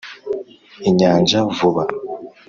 inyanja vuba